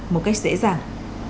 một cách dễ dàng